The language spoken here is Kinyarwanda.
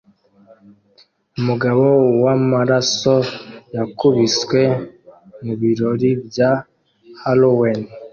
Umugabo wamaraso yakubiswe mubirori bya haloween